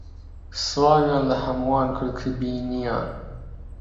سڵاویان لە ھەمووان کرد کە بینییان.